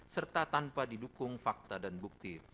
serta tanpa didukung fakta dan bukti